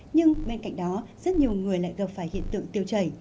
nhưng bên cạnh đó rất nhiều người lại gặp phải hiện tượng tiêu chảy